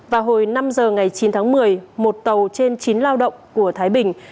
vào hồi năm giờ ngày chín tháng một mươi một tàu trên chín lao động của thái bình